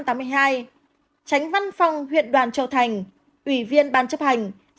tránh văn phòng huyện đoàn châu thành ủy viên ban chấp hành